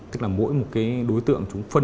tức là mỗi một đối tượng chúng phân